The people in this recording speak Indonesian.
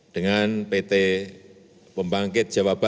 dengan pt pembangkit jawabannya